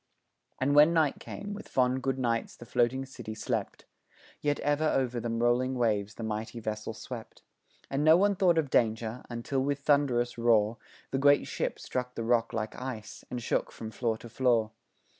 And when night came, with fond good nights the floating city slept, Yet ever o'er the rolling waves the mighty vessel swept, And no one thought of danger until with thunderous roar, The great ship struck the rock like ice, and shook from floor to floor.